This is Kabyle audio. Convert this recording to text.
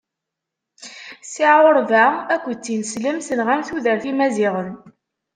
Tiɛuṛba akked tineslemt nɣant tudert n yimaziɣen.